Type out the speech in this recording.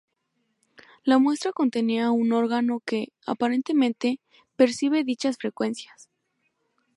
La muestra contenía un órgano que, aparentemente, percibe dichas frecuencias.